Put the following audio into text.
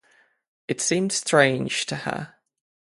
It seemed strange to her.